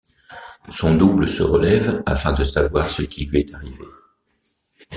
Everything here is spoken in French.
Son double se relève afin de savoir ce qu'il lui est arrivé.